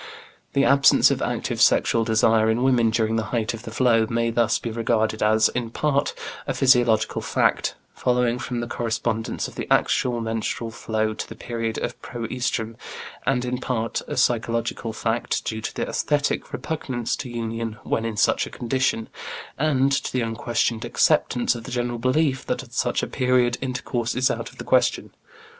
The absence of active sexual desire in women during the height of the flow may thus be regarded as, in part, a physiological fact, following from the correspondence of the actual menstrual flow to the period of pro oestrum, and in part, a psychological fact due to the æsthetic repugnance to union when in such a condition, and to the unquestioned acceptance of the general belief that at such a period intercourse is out of the question.